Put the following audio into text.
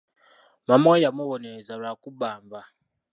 Maama we yamubonereza lwa kubba nva.